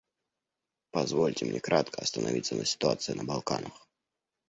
Позвольте мне кратко остановиться на ситуации на Балканах.